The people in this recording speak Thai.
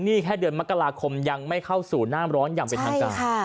นี่แค่เดือนมกราคมยังไม่เข้าสู่น้ำร้อนอย่างเป็นทางการ